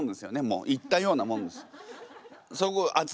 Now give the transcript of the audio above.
そこ行ったようなもんです。